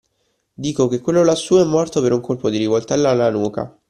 Dico che quello lassú è morto per un colpo di rivoltella alla nuca.